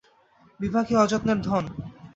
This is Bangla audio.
বিভা কি অযত্নের ধন।